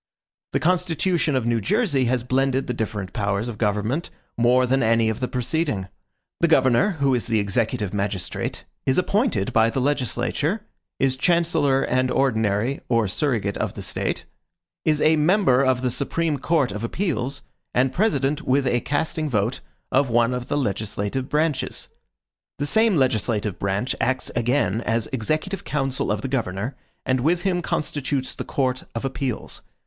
The constitution of New Jersey has blended the different powers of government more than any of the preceding. The governor, who is the executive magistrate, is appointed by the legislature; is chancellor and ordinary, or surrogate of the State; is a member of the Supreme Court of Appeals, and president, with a casting vote, of one of the legislative branches. The same legislative branch acts again as executive council of the governor, and with him constitutes the Court of Appeals.